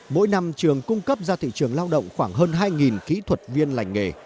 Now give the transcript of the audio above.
mỗi năm trường cung cấp ra thị trường lao động khoảng hơn hai kỹ thuật viên lành nghề